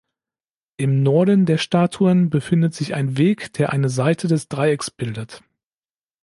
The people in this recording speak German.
Im Norden der Statuen befindet sich ein Weg, der eine Seite des Dreiecks bildet.